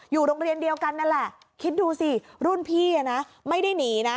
อยู่โรงเรียนเดียวกันนั่นแหละคิดดูสิรุ่นพี่ไม่ได้หนีนะ